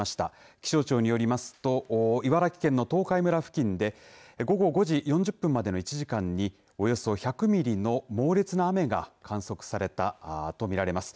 気象庁によりますと茨城県の東海村付近で午後５時４０分までの１時間におよそ１００ミリの猛烈な雨が観測されたと見られます。